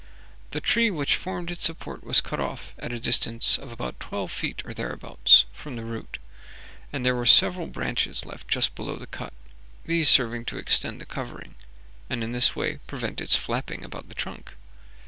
The tree which formed its support was cut off at a distance of twelve feet or thereabouts from the root, and there were several branches left just below the cut, these serving to extend the covering, and in this way prevent its flapping about the trunk.